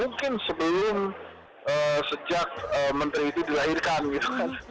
mungkin sebelum sejak menteri itu dilahirkan gitu kan